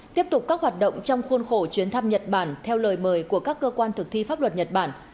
tiếp tục các hoạt động trong khuôn khổ chuyến thăm nhật bản theo lời mời của các cơ quan thực thi pháp luật nhật bản